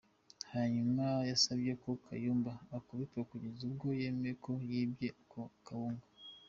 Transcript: Hanyuma yasabye ko Kayumba akubitwa kugeza ubwo yemeye ko yibye ako Kawunga.